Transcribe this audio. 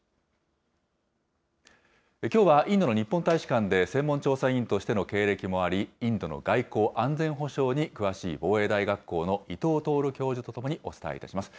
きょうはインドの日本大使館で専門調査員としての経歴もあり、インドの外交・安全保障に詳しい防衛大学校の伊藤融教授と共にお伝えいたします。